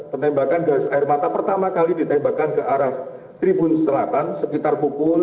penembakan gas air mata pertama kali ditembakan ke arah tribun selatan sekitar pukul dua puluh dua